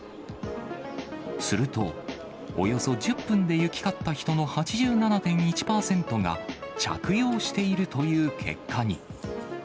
すると、およそ１０分で行き交った人たちの８７．１％が、着用しているという結果に。